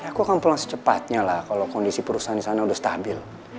aku akan pulang secepatnya lah kalau kondisi perusahaan di sana udah stabil